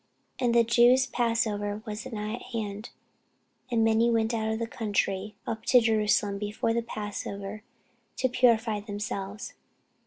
And the Jews' passover was nigh at hand: and many went out of the country up to Jerusalem before the passover, to purify themselves.